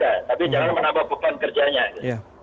tapi jangan menambah beban kerjanya